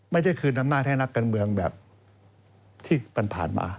ไม่ได้คืนอำนาจให้นักการเมืองแบบที่ผ่านมา